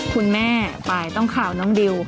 คุณแม่ฝ่ายต้องข่าวน้องดิว